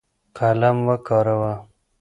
قلم وکاروه.